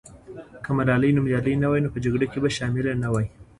که ملالۍ نومیالۍ نه وای، نو په جګړه کې به شامله نه وای.